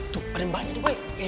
tuh ada yang balik lagi